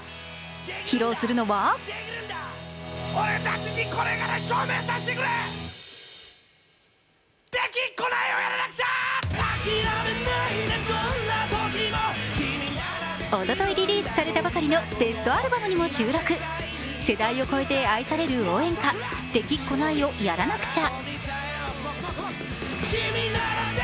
披露するのはおとといリリースされたばかりのベストアルバムにも収録世代を超えて愛される応援歌「できっこないをやらなくちゃ」。